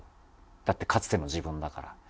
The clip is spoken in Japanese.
だってかつての自分だから。